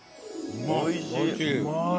おいしい！